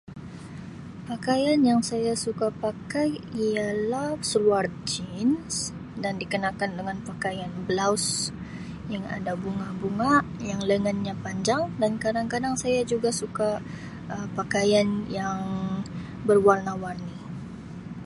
Pakaian yang saya suka pakai ialah seluar jeans dan dikenakan dengan pakaian blouse yang ada bunga-bunga yang lenganya panjang dan kadang-kadang saya juga suka Um pakaian yang berwarna warni.